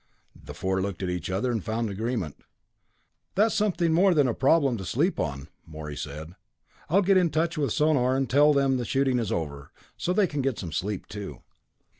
The four looked at each other, and found agreement. "That's something more than a problem to sleep on," Morey said. "I'll get in touch with Sonor and tell 'em the shooting is over, so they can get some sleep too.